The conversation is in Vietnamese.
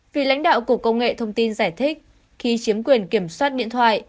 vì lãnh đạo cục công nghệ thông tin giải thích khi chiếm quyền kiểm soát điện thoại